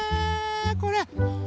これ。